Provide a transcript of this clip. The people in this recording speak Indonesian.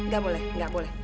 gak boleh guys